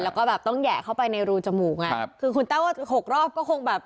แล้วก็แบบต้องแหยะเข้าไปในรูจมูกไงครับคือคุณแต้วว่าหกรอบก็คงแบบ